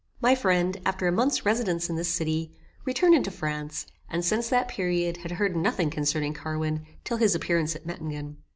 My friend, after a month's residence in this city, returned into France, and, since that period, had heard nothing concerning Carwin till his appearance at Mettingen.